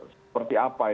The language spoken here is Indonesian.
seperti apa ini